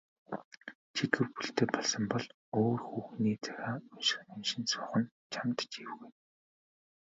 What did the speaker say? Чи гэр бүлтэй болсон бол өөр хүүхний захиа уншин суух нь чамд ч эвгүй.